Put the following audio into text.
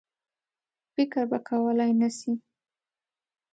فکر به کولای نه سي.